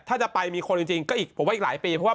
ถ้าจะไปมีคนก็อีกหลายปี